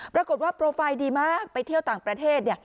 ปรากฏว่าโปรไฟล์ดีมากไปเที่ยวต่างประเทศเนี่ย